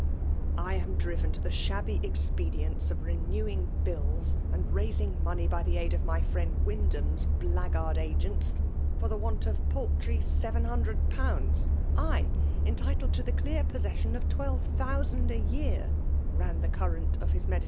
" I am driven to the shabby expedients of renewing bills and raising money by the aid of my friend Wyndham's blackguard agents, tar the want of a paltry seven hundred pounds* I — entitled to the clear possession of twelve thousand a year," ran the current of his medi FEMALE DOMINATION.